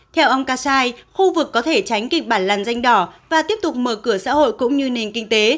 theo ông kassai khu vực có thể tránh kịch bản lằn danh đỏ và tiếp tục mở cửa xã hội cũng như nền kinh tế